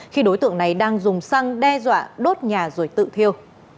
khi đối tượng này đang dùng xăng đe dọa đốt nhà rồi tự thiêu